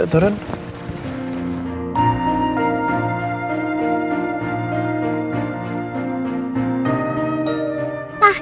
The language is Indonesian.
aku mau makan lagi